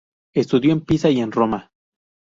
Estudió en Pisa y en Roma.